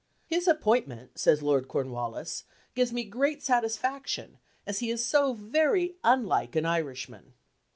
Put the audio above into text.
"His appointment," says Lord Cornwallis, "gives me great satisfaction, as he is so very unlike an Irishman!"